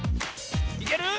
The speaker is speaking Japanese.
いける？